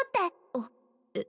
あっえっ